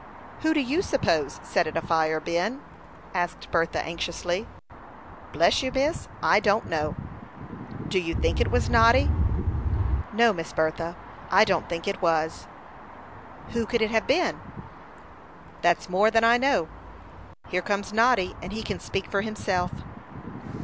"Who do you suppose set it afire, Ben?" said Bertha, anxiously. "Bless you, miss, I don't know." "Do you think it was Noddy?" "No, Miss Bertha, I don't think it was." "Who could it have been?" "That's more than I know. Here comes Noddy, and he can speak for himself."